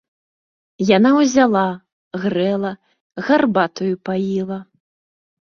Яна ўзяла, грэла, гарбатаю паіла.